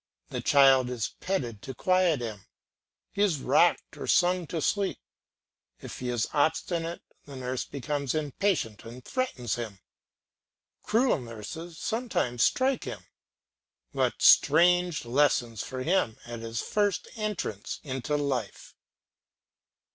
The child is petted to quiet him, he is rocked or sung to sleep; if he is obstinate, the nurse becomes impatient and threatens him; cruel nurses sometimes strike him. What strange lessons for him at his first entrance into life!